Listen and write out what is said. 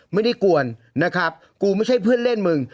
ไม่ได้กวนนะครับกูไม่ใช่เพื่อนเล่นมึง